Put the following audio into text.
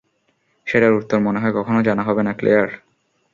সেটার উত্তর মনে হয় কখনও জানা হবে না, ক্লেয়ার।